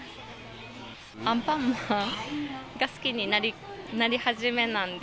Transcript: アンパンマンが好きになり始めなんで。